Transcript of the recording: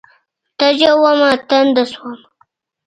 تږې ومه، تنده شوم